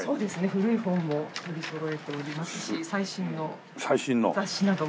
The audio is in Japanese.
古い本も取りそろえておりますし最新の雑誌なども。